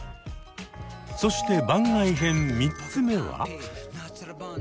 そして番外編３つ目は？